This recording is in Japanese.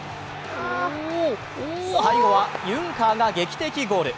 最後はユンカーが劇的ゴール。